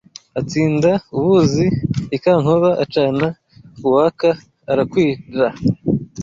Atsinda u Buzi i Kankoba acana uwaka urakwira